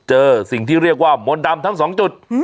เจอสิ่งที่เรียกว่ามนต์ดำทั้งสองจุด